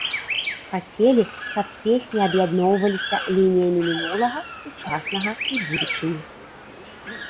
Хацелі, каб песні аб'ядноўваліся лініямі мінулага, сучаснага і будучыні.